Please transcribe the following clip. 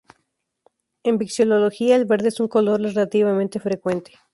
En vexilología, el verde es un color relativamente frecuente.